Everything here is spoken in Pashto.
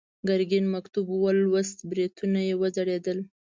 ګرګين مکتوب ولوست، برېتونه يې وځړېدل.